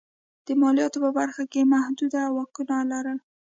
د مالیاتو په برخه کې یې محدود واکونه لرل.